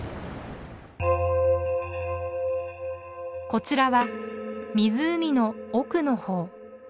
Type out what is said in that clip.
こちらは湖の奥の方。